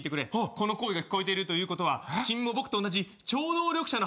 この声が聞こえているということは君も僕と同じ超能力者のはずなんだ。